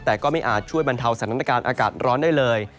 แต่ก็ไม่อาจช่วยบรรเทาสถานการณ์อากาศร้อนได้เลย